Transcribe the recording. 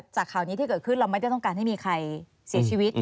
จากข่าวนี้ที่เกิดขึ้นเราไม่ได้ต้องการให้มีใครเสียชีวิต